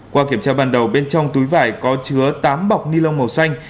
qua kiểm tra ban đầu bên trong túi vải có chứa tám bọc ni lông màu xanh